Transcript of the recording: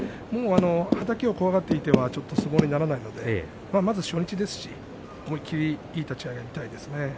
はたきを怖がっていては相撲になりませんのでまずは初日ですし、思い切りいい立ち合いでいきたいですね。